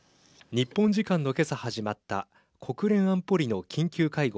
日本時間の今朝始まった国連安保理の緊急会合。